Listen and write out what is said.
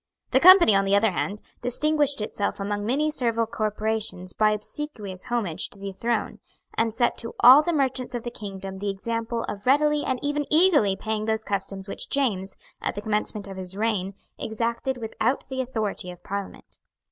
The Company, on the other hand, distinguished itself among many servile corporations by obsequious homage to the throne, and set to all the merchants of the kingdom the example of readily and even eagerly paying those customs which James, at the commencement of his reign, exacted without the authority of Parliament.